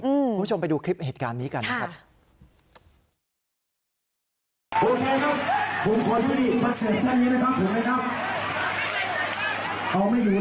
คุณผู้ชมไปดูคลิปเหตุการณ์นี้กันนะครับ